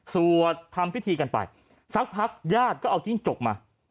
สวดทำพิธีกันไปสักพักญาติก็เอาจิ้งจกมา